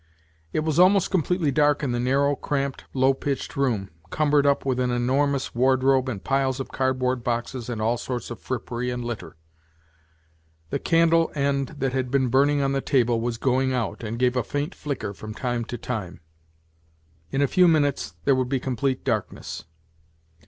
It was almost completely dark in the narrow, cramped, low pitched room, cumbered up with an enormous wardrobe and piles of cardboard boxes and all sorts of frippery and litter. The candle end that had been burning on the table was going out and gave a faint flicker from time to time. In a few minutes there would be complete darkness.